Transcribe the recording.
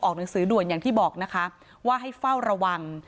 หนังสือด่วนอย่างที่บอกนะคะว่าให้เฝ้าระวัง